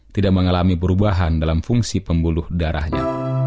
tidak mengalami perubahan dalam fungsi pembuluh darahnya